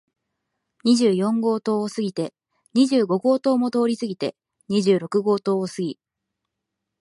二十四号棟を過ぎて、二十五号棟も通り過ぎて、二十六号棟を過ぎ、